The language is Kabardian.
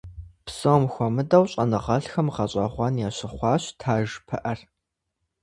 Псом хуэмыдэу щӀэныгъэлӀхэм гъэщӏэгъуэн ящыхъуащ таж пыӀэр.